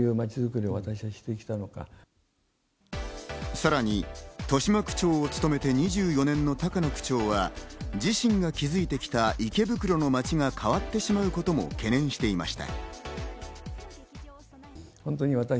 さらに豊島区長を務めて２４年の高野区長は、自身が築いてきた池袋の街が変わってしまうことも懸念していました。